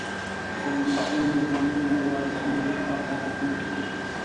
د لمسیانو، زامنو او وارثینو لخوا خیراتونه کېدل.